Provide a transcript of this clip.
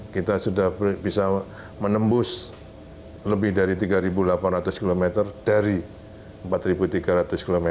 kita sudah bisa menembus lebih dari tiga delapan ratus km dari empat tiga ratus km